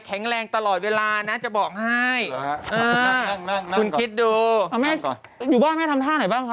แรงตลอดเวลานะจะบอกให้คุณคิดดูอยู่บ้านแม่ทำท่าไหนบ้างคะ